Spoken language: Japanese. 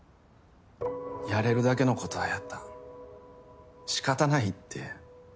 やれるだけのことはやったしかたないって。